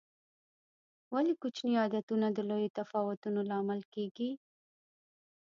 ولې کوچیني عادتونه د لویو تفاوتونو لامل کېږي؟